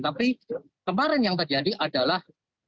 tapi kemarin yang terjadi adalah